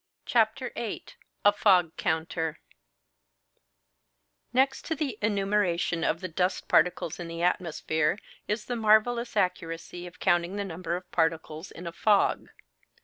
CHAPTER VIII A FOG COUNTER Next to the enumeration of the dust particles in the atmosphere is the marvellous accuracy of counting the number of particles in a fog.